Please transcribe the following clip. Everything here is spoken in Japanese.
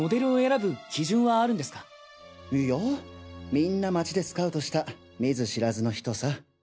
みんな街でスカウトした見ず知らずの人さ。